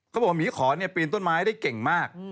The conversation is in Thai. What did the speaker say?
เขาบอกว่าหมีขอนี่ปีนต้นไม้ได้เก่งมาก